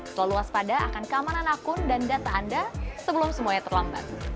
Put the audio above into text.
selalu waspada akan keamanan akun dan data anda sebelum semuanya terlambat